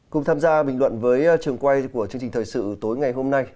cùng tham gia bình luận với trường quay của chương trình thời sự tối ngày hôm nay